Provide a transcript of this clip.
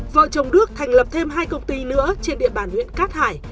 vợ chồng đức thành lập thêm hai công ty nữa trên địa bàn huyện cát hải